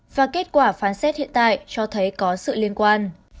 và kết quả phán xét hiện tại cho thấy có sự liên quan